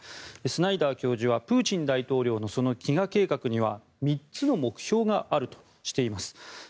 スナイダー教授はプーチン大統領の飢餓計画には３つの目標があるとしています。